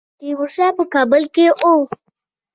تیمورشاه په کابل کې وو.